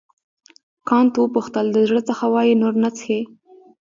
کانت وپوښتل د زړه څخه وایې نور نه څښې.